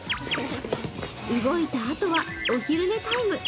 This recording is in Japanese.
動いたあとはお昼寝タイム。